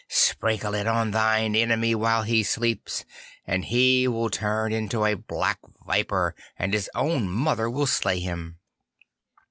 Sprinkle it on thine enemy while he sleeps, and he will turn into a black viper, and his own mother will slay him.